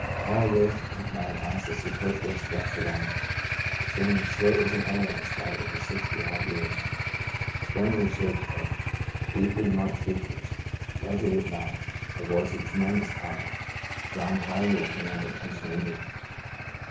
Tall, lithe, with not an ounce of superfluous flesh about him, standing straight as an arrow in spite of his sixty odd years, splendidly shaped head, deeply marked fea tures, resolute mouth, and a voice of tre 78 Into a Far Country mendous power, John Tyler would command attention anywhere.